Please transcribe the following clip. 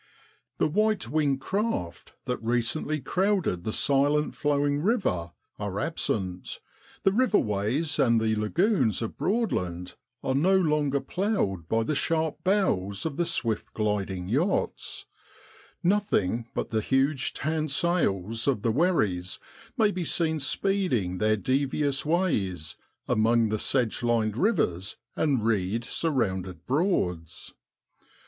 The white winged craft that recently crowded the silent flowing river are absent, the river ways and the lagoons of Broadland are no longer ploughed by the sharp bows of the swift gliding yachts nothing but the huge tanned sails of the wherries may be seen speeding their devious ways among the sedge lined rivers and reed surrounded broads.